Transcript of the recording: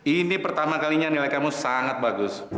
ini pertama kalinya nilai kamu sangat bagus